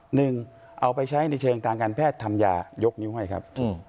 หนึ่งเอาไปใช้ในเชิงทางการแพทย์ทำยายยกนิ้วให้ครับ